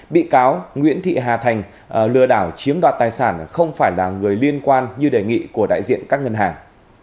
bị cáo nguyễn thị hà thành lừa đảo chiếm đoạt tài sản không phải là người liên quan như đề nghị của đại diện các ngân hàng